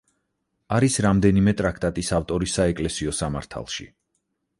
არის რამდენიმე ტრაქტატის ავტორი საეკლესიო სამართალში.